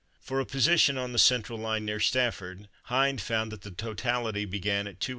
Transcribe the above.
For a position on the central line near Stafford, Hind found that the totality began at 2h.